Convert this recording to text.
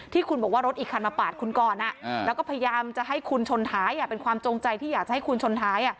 ที่คุณบอกว่ารถอีกคันมาปาดคุณก่อนแล้วก็พยายามจะให้คุณชนท้ายเป็นความจงใจที่อยากจะให้คุณชนท้าย